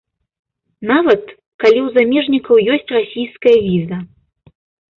Нават, калі ў замежнікаў ёсць расійская віза.